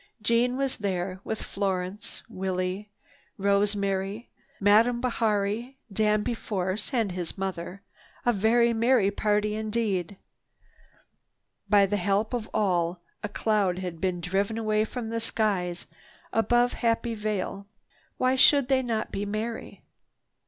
Jeanne was there and Florence, Willie, Rosemary, Madame Bihari, Danby Force and his mother—a very merry party indeed. By the help of all, a cloud had been driven away from the skies above Happy Vale. Why should they not be merry?